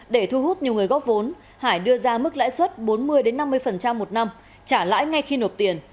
để thu hút nhiều người góp vốn hải đưa ra mức lãi suất bốn mươi năm mươi một năm trả lãi ngay khi nộp tiền